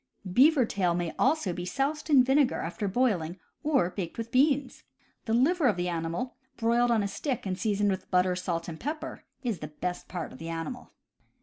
Beaver tail may also be soused in vinegar, after boil ing, or baked with beans. The liver of the animal, broiled on a stick and seasoned with butter, salt, and pepper, is the best part of the animal.